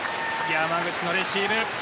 山口のレシーブ。